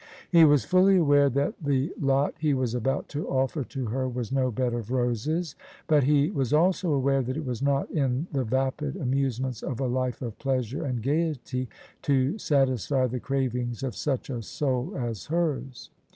He was fully aware that the lot he was about to offer to her was no bed of roses: but he was also aware that it was not in the vapid amusements of a life of pleasure and gaiety to satisfy the cravings of such a soul as hers.